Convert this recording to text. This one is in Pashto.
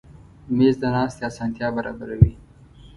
مېز د ناستې اسانتیا برابروي.